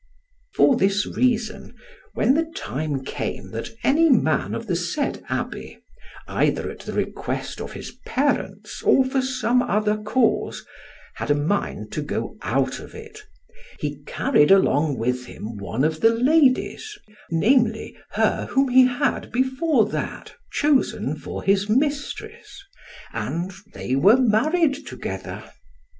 For this reason, when the time came that any man of the said abbey, either at the request of his parents, or for some other cause, had a mind to go out of it, he carried along with him one of the ladies, namely, her whom he had before that chosen for his mistress, and (they) were married together.